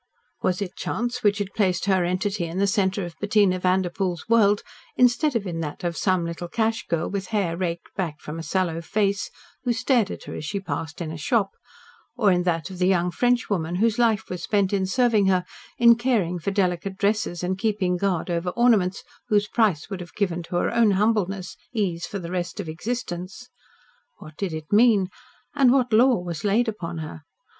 Was it chance which had placed her entity in the centre of Bettina Vanderpoel's world instead of in that of some little cash girl with hair raked back from a sallow face, who stared at her as she passed in a shop or in that of the young Frenchwoman whose life was spent in serving her, in caring for delicate dresses and keeping guard over ornaments whose price would have given to her own humbleness ease for the rest of existence? What did it mean? And what Law was laid upon her?